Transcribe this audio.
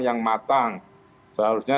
yang matang seharusnya